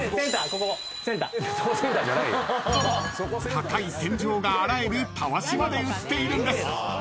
［高い天井が洗えるたわしまで売っているんです］